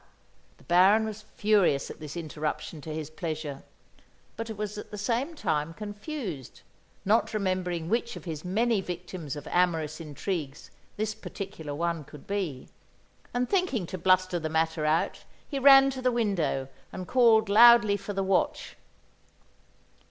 The Baron was furious at this interruption to his pleasure, but was at the same time confused, not remembering which of his many victims of amorous intrigues this particular one could be, and thinking to bluster the matter out, he ran to the window and called loudly for the watch.